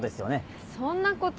いやそんなこと。